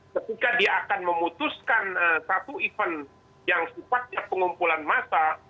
ketika dia akan memutuskan satu event yang sifatnya pengumpulan massa